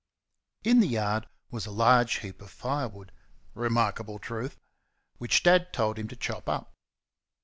In the yard was a large heap of firewood remarkable truth! which Dad told him to chop up.